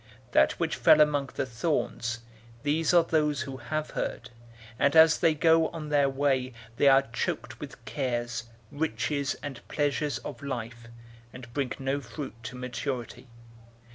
008:014 That which fell among the thorns, these are those who have heard, and as they go on their way they are choked with cares, riches, and pleasures of life, and bring no fruit to maturity.